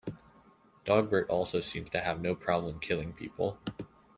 Dogbert also seems to have no problem killing people.